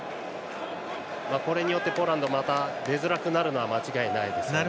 これによって、ポーランドはまた出づらくなるのは間違いないですね。